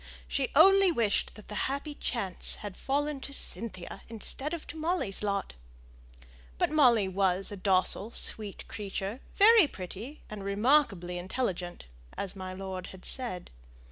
She only wished that the happy chance had fallen to Cynthia's instead of to Molly's lot. But Molly was a docile, sweet creature, very pretty, and remarkably intelligent, as my lord had said.